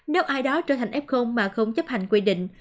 nếu ai đó trở thành ép không mà không chấp hành quy định